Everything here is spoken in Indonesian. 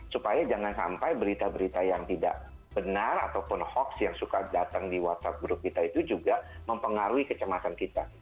supaya jangan sampai berita berita yang tidak benar ataupun hoax yang suka datang di whatsapp group kita itu juga mempengaruhi kecemasan kita